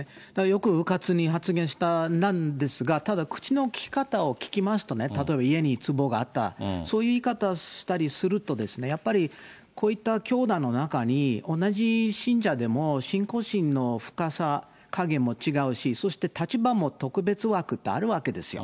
よくうかつに発言したなんですが、ただ、口のきき方を聞きますとね、例えば家につぼがあった、そういう言い方したりすると、やっぱり、こういった教団の中に、同じ信者でも信仰心の深さ加減も違うし、そして立場も特別枠ってあるわけですよ。